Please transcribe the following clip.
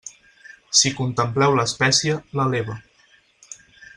Si contempleu l'espècie, l'eleva.